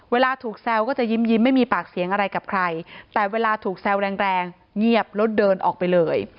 เวลาถูกแซวก็จะยิ้มไม่มีปากเสียงอะไรกับใครแต่เวลาถูกแซวแรงแรงเงียบแล้วเดินออกไปเลย